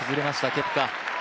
ケプカ。